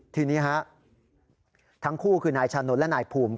ทีนี้ฮะทั้งคู่คือนายชานนท์และนายภูมิ